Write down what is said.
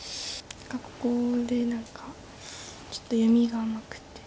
ここで何かちょっと読みが甘くて。